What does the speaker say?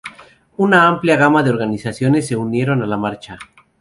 Una amplia gama de organizaciones se unieron a la marcha.